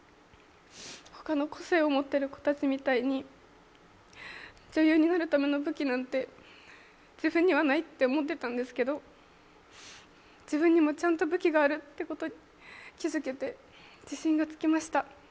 ほかの個性を持っている子たちみたいに、女優になるための武器なんて自分にはないって思ってたんですけど、自分にもちゃんと武器があるってことに気づけて、自信がつきました。